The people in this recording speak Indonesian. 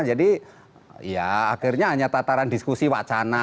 jadi ya akhirnya hanya tataran diskusi wacana